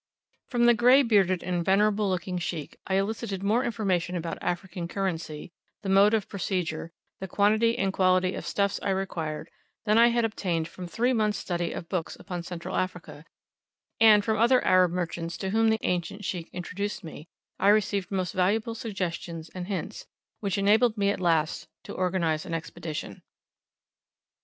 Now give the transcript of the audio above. From the grey bearded and venerable looking Sheikh, I elicited more information about African currency, the mode of procedure, the quantity and quality of stuffs I required, than I had obtained from three months' study of books upon Central Africa; and from other Arab merchants to whom the ancient Sheikh introduced me, I received most valuable suggestions and hints, which enabled me at last to organize an Expedition.